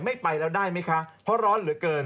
ไม่ไปแล้วได้ไหมคะเพราะร้อนเหลือเกิน